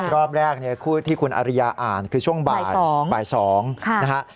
รอบแรกคือที่คุณอริยาอ่านคือช่วงบ่าย๒นะฮะ